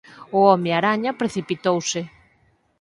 O Home Araña precipitouse